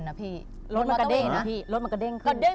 เครื่องรถมันกระเด้งขึ้น